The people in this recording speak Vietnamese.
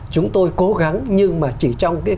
chúng tôi cố gắng nhưng mà chỉ trong